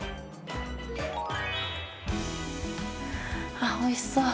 あおいしそう。